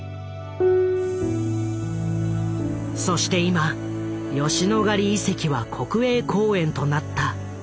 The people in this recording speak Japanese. そして今吉野ヶ里遺跡は国営公園となった。